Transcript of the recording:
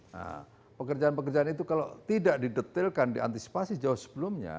nah pekerjaan pekerjaan itu kalau tidak didetailkan diantisipasi jauh sebelumnya